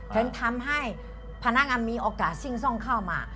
ฉันทำให้พนักงานมีโอกาสซิ่งซ่องเข้ามา